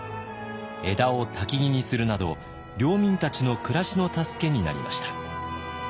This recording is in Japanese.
枝をたきぎにするなど領民たちの暮らしの助けになりました。